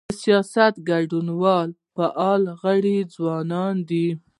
د سیاسي ګوندونو فعال غړي ځوانان دي.